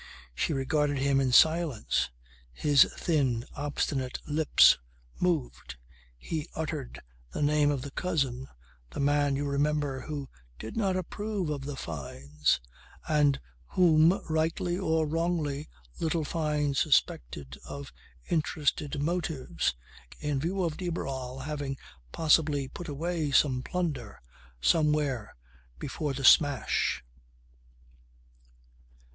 She regarded him in silence. His thin obstinate lips moved. He uttered the name of the cousin the man, you remember, who did not approve of the Fynes, and whom rightly or wrongly little Fyne suspected of interested motives, in view of de Barral having possibly put away some plunder, somewhere before the smash.